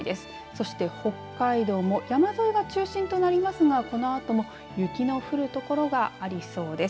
そして北海道も山沿いが中心となりますがこのあとも雪が降る所がありそうです。